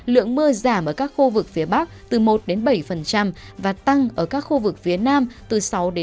lượng mưa giảm ở các khu vực phía bắc từ một bảy và tăng ở các khu vực phía nam từ sáu hai mươi một